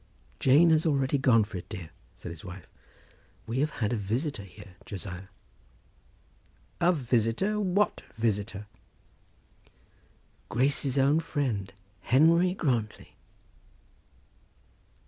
"Jane has already gone for it, dear," said his wife. "We have had a visitor here, Josiah." "A visitor, what visitor?" "Grace's own friend, Henry Grantly."